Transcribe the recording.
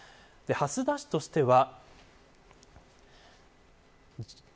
蓮田市としては。